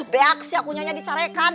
beaks ya kunyonya disarekan